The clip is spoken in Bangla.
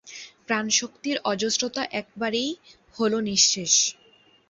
প্রাণশক্তির অজস্রতা একেবারেই হল নিঃস্ব।